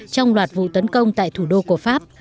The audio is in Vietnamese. trong loạt vụ tấn công tại thủ đô của pháp